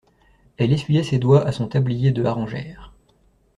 Elle essuyait ses doigts à son tablier de harengère.